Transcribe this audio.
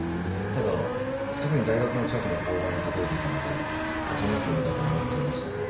ただすぐに大学の近くの交番に届いていたので事なきを得たと思っていましたが。